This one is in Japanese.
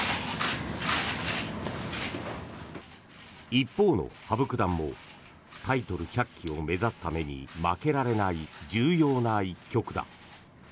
一方の羽生九段もタイトル１００期を目指すために負けられない重要な一局だ。